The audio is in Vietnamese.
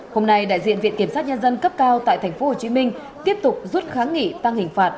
hôm nay đại diện viện kiểm sát nhân dân cấp cao tại tp hcm tiếp tục rút kháng nghị tăng hình phạt